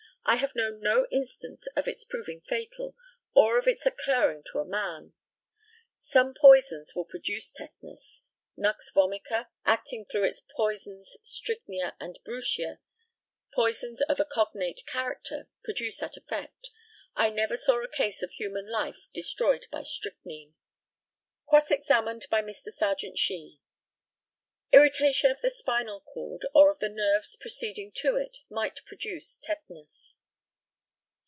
I have known no instance of its proving fatal, or of it occurring to a man. Some poisons will produce tetanus. Nux vomica, acting through its poisons strychnia and bruchsia, poisons of a cognate character, produces that effect. I never saw a case of human life destroyed by strychnine. Cross examined by Mr. Serjeant SHEE: Irritation of the spinal cord or of the nerves proceeding to it might produce tetanus.